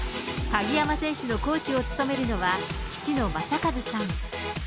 鍵山選手のコーチを務めるのは父の正和さん。